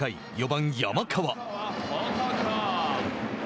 ４番、山川。